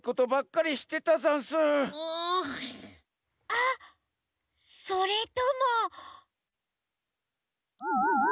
あっそれとも。